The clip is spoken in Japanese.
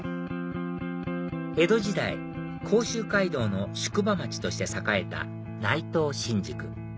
江戸時代甲州街道の宿場町として栄えた内藤新宿